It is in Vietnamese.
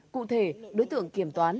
cụ thể đối tượng kiểm toán